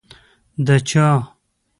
د چا؟